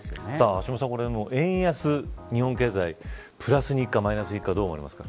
橋下さん、円安、日本経済プラスにいくか、マイナスにいくか、どう思いますか。